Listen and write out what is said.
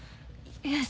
いや。